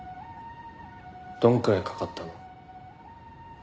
どのくらいかかったの？